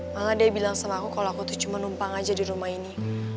malah dia bilang sama aku kalau aku tuh cuma numpang aja di rumah ini